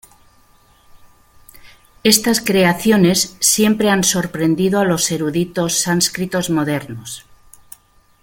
Estas creaciones siempre han sorprendido a los eruditos sánscritos modernos.